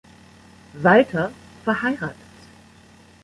Walter verheiratet.